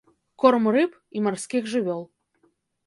Корм рыб і марскіх жывёл.